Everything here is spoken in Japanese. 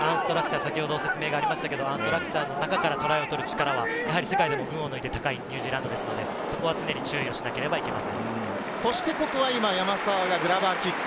アンストラクチャーの中からトライを取る力は、世界でも群を抜いて高いニュージーランドですので、そこは注意しなければいけません。